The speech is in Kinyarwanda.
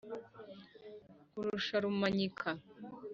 Nkurusha Rumanyika,